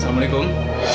dia misteri making